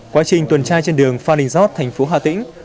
quá trình tuần tra trên đường phan đình giót thành phố hà tĩnh